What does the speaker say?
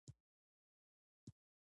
هغه لیکي چې دا د ډیلي د سلاطینو رواج و.